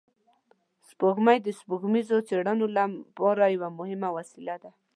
سپوږمۍ د سپوږمیزو څېړنو لپاره یوه مهمه وسیله ده